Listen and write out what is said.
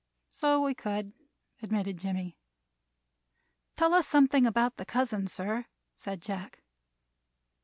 "So we could," admitted Jimmie. "Tell us something about the cousins, sir," said Jack.